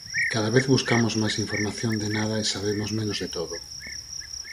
Cada vez buscamos máis información de nada e sabemos menos de todo.